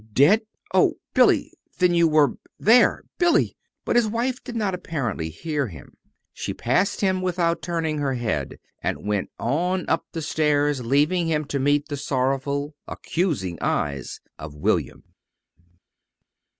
"Dead! Oh, Billy! Then you were there! Billy!" But his wife did not apparently hear him. She passed him without turning her head, and went on up the stairs, leaving him to meet the sorrowful, accusing eyes of William.